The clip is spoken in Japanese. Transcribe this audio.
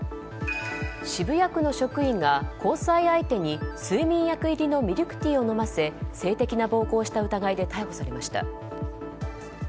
渋谷区の職員が交際相手に睡眠薬入りのミルクティーを飲ませ性的な暴行をした疑いで逮捕されました。